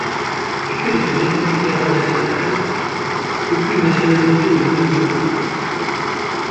Du fait de son activité internationale, aucune nationalité ne domine l'entreprise.